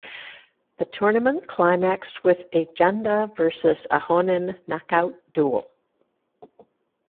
The tournament climaxed with a Janda versus Ahonen knockout duel.